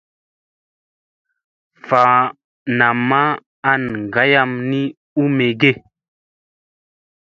Va namma an ngaam ni u mige.